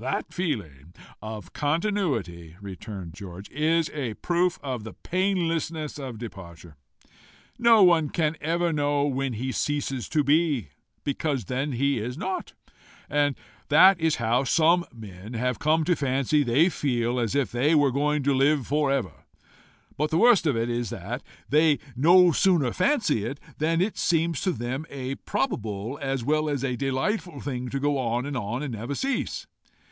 "That feeling of continuity," returned George, "is a proof of the painlessness of departure. No one can ever know when he ceases to be, because then he is not; and that is how some men come to fancy they feel as if they were going to live for ever. But the worst of it is that they no sooner fancy it, than it seems to them a probable as well as delightful thing to go on and on and never cease.